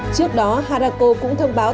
trước đó harako cũng thông báo